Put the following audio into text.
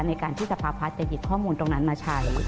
ในการที่จะพาพัฒนาเศรษฐกิจข้อมูลตรงนั้นมาใช้